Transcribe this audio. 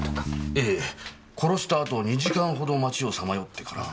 えぇ殺した後２時間ほど町をさまよってからあ